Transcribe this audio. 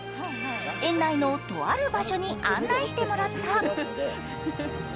園内のとある場所に案内してもらった。